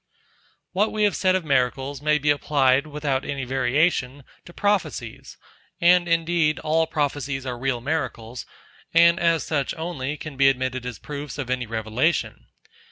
101. What we have said of miracles may be applied, without any variation, to prophecies; and indeed, all prophecies are real miracles, and as such only, can be admitted as proofs of any revelation.